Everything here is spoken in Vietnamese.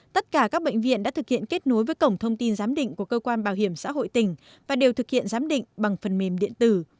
tất cả các bệnh viện đã thực hiện kết nối với cổng thông tin giám định của cơ quan bảo hiểm xã hội tỉnh và đều thực hiện giám định bằng phần mềm điện tử